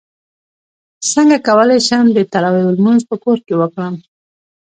څنګه کولی شم د تراویحو لمونځ په کور کې وکړم